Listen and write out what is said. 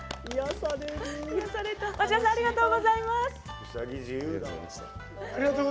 町田さん、ありがとうございます。